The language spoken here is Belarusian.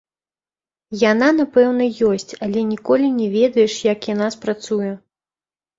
Яна, напэўна, ёсць, але ніколі не ведаеш, як яна спрацуе.